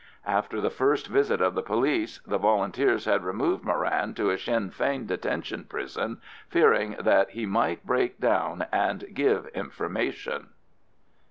After the first visit of the police the Volunteers had removed Moran to a Sinn Fein detention prison, fearing that he might break down and give information.